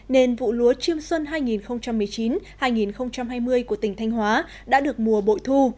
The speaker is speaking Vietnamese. nên vụ lúa chiêm xuân hai nghìn một mươi chín hai nghìn hai mươi của tỉnh thanh hóa đã được mùa bội thu